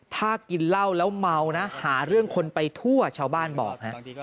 ถ้ากินเหล้าแล้วเมานะหาเรื่องคนไปทั่วชาวบ้านบอกฮะ